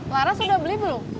laras udah beli belum